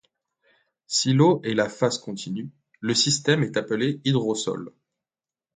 Si l'eau est la phase continue, le système est appelé hydrosol.